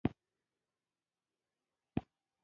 وګړي د افغانستان د طبیعي پدیدو یو رنګ دی.